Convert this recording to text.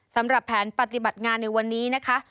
สำหรับแผนปฏิบัติงานในวันนี้นะคะ